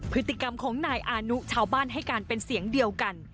พฤติกรรมของนายอานุชาวบ้านให้การเป็นเสียงเดียวกัน